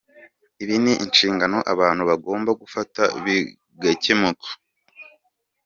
Ibi ni inshingano abantu bagomba gufata bigakemuka.